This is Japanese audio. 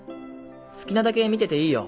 好きなだけ見てていいよ